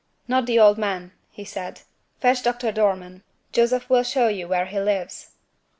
"Not the old man," he said. "Fetch Doctor Dormann. Joseph will show you where he lives."